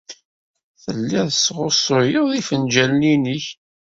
Telliḍ tesɣusuyeḍ ifenjalen-nnek.